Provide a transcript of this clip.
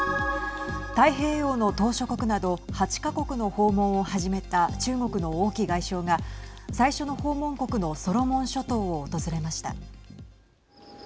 太平洋の島しょ国など８か国の訪問を始めた中国の王毅外相が最初の訪問国のソロモン諸島を訪れました。